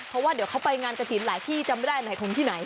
เพราะว่าเดี๋ยวเขาไปงานกระถิ่นหลายที่จำไม่ได้หมายคมที่ไหน